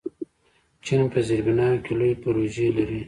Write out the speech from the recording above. چین په زیربناوو کې لوی پروژې لري.